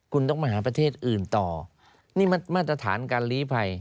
คุณต้องมาหาประเทศอื่นต่อนี่มาตรฐานการลีภัย